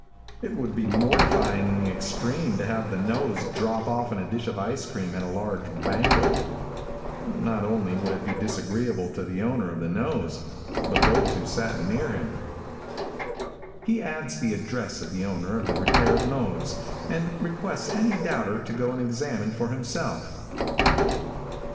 It would be mortifying in the extreme to have the nose drop off in a dish of ice cream at a large banquet. Not only would it be disagreeable to the owner of the nose, but to those who sat near him. He adds the address of the owner of the repaired nose, and requests any doubter to go and examine for himself.